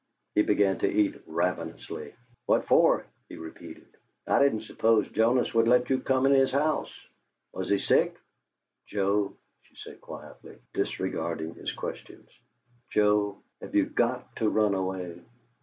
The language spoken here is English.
He began to eat ravenously. "What for?" he repeated. "I didn't suppose Jonas would let you come in his house. Was he sick?" "Joe," she said, quietly, disregarding his questions "Joe, have you GOT to run away?"